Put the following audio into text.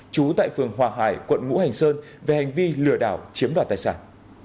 trú tại phường hòa hải quận ngũ hành sơn về hành vi lừa đảo chiếm đoạt tài sản